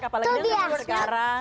apalagi dia reward sekarang